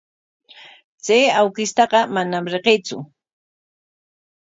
Chay awkishtaqa manam riqsiitsu.